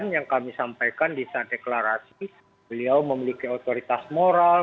yang kami sampaikan di saat deklarasi beliau memiliki otoritas moral